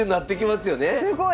すごい！